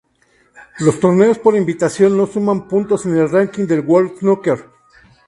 Los torneos por invitación no suman puntos en el ranking de la "World Snooker".